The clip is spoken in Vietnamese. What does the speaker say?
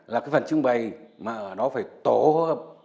là cái phần trưng bày mà ở đó phải tổ hợp